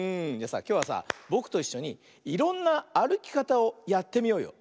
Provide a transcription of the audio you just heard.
きょうはさぼくといっしょにいろんなあるきかたをやってみようよ。